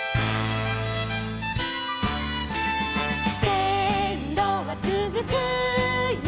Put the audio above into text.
「せんろはつづくよ